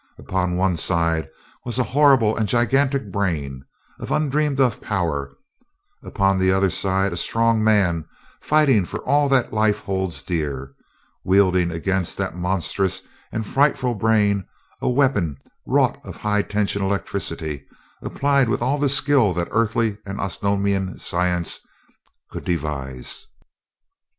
Upon one side was a horrible and gigantic brain, of undreamed of power; upon the other side a strong man, fighting for all that life holds dear, wielding against that monstrous and frightful brain a weapon wrought of high tension electricity, applied with all the skill that earthly and Osnomian science could devise.